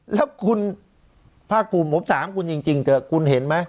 แล้วคุณพ่อคุมผมถามคุณจริงคุณเห็นมั้ย